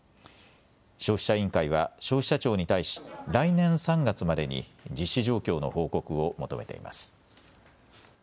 消費者委員会は消費者庁に対し来年３月までに実施状況の報告を求めています。